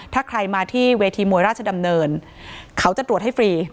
ถ้าใครมาที่เวทีมวยราชดำเนินเขาจะตรวจให้ฟรี